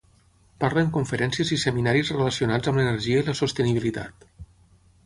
Parla en conferències i seminaris relacionats amb l'energia i la sostenibilitat